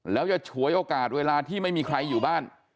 แล้วจะฉวยโอกาสเวลาที่ไม่มีใครอยู่บ้าน